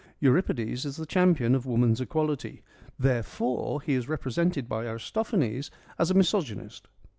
Euripides is the champion of woman's equality ; therefore, he is represented by Aristophanes as a misogynist.